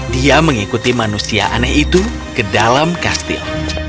dia mengikuti manusia aneh itu ke dalam kastil